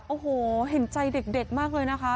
โอ้โหเห็นใจเด็กมากเลยนะคะ